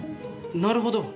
なるほど。